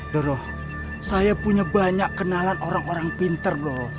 doro saya punya banyak kenalan orang orang pinter lho